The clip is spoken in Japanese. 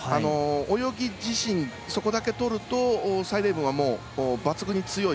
泳ぎ自身そこだけとると蔡麗ぶんは抜群に強い。